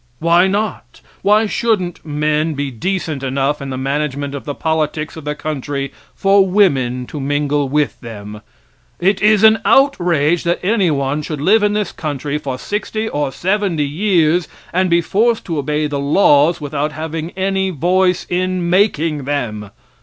Why not? Why shouldn't men be decent enough in the management of the politics of the country for women to mingle with them? It is an outrage that anyone should live in this country for sixty or seventy years and be forced to obey the laws without having any voice in making them.